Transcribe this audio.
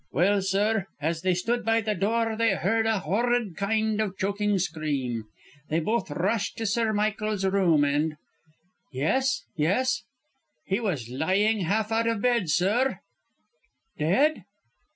Well, sir, as they stood by the door they heard a horrid kind of choking scream. They both rushed to Sir Michael's room, and " "Yes, yes?" "He was lying half out of bed, sir " "Dead?"